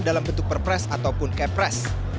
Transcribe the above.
dalam bentuk perpres ataupun kepres